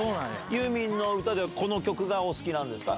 ユーミンの歌では、この曲がお好きなんですか？